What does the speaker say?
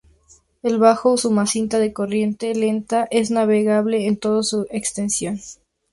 El Bajo Usumacinta de corriente lenta es navegable en toda su extensión.